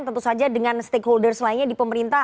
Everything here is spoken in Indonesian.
tentu saja dengan stakeholders lainnya di pemerintah